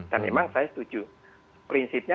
dan memang saya setuju prinsipnya